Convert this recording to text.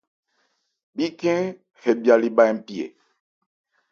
Bíkhɛ́n hɛ bhya lê bha npi ɛ ?